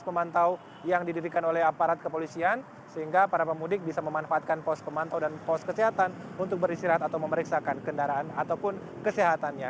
pemantau yang didirikan oleh aparat kepolisian sehingga para pemudik bisa memanfaatkan pos pemantau dan pos kesehatan untuk beristirahat atau memeriksakan kendaraan ataupun kesehatannya